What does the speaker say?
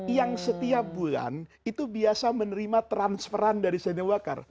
yang setiap bulan itu biasa menerima transferan dari sayyidina abu bakar